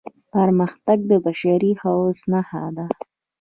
پرمختګ د بشري هڅو نښه ده.